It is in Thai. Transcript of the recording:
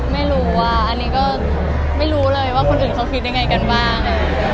ไม่รู้ก็ไม่รู้เลยว่าคนอื่นก็คิดได้ยังไงบ้าง